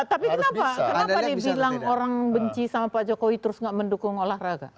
tapi kenapa dibilang orang benci sama pak jokowi terus gak mendukung olahraga